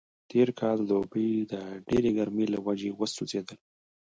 تېر کال دوبی د ډېرې ګرمۍ له وجې وسوځېدلو.